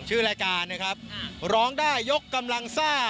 ชื่อรายการนะครับร้องได้ยกกำลังซ่า